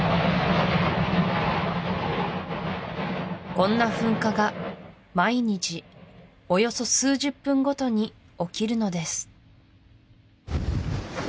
こんな噴火が毎日およそ数十分ごとに起きるのです